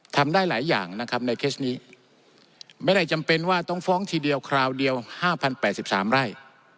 ทำได้หลายอย่างนะครับในเคสนี้ไม่ได้จำเป็นว่าต้องฟ้องทีเดียวคราวเดียว๕๐๘๓ไร่